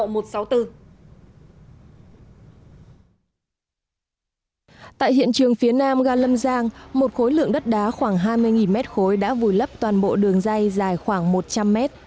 tại hiện trường phía nam ga lâm giang một khối lượng đất đá khoảng hai mươi mét khối đã vùi lấp toàn bộ đường dây dài khoảng một trăm linh mét